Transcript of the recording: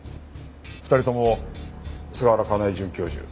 ２人とも菅原香奈枝准教授